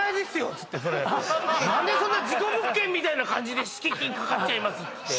っつってそれ何でそんな事故物件みたいな感じで「敷金かかっちゃいます」って